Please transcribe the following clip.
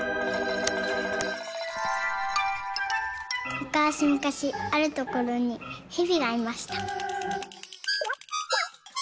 「むかしむかしあるところにへびがいました」。